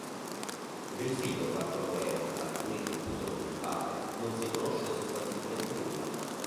Del figlio Bartolomeo, da alcuni confuso con il padre, non si conosce sostanzialmente nulla.